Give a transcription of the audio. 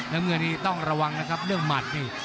น้ำเงินนี้ต้องระวังนะครับเรื่องหมัดนี่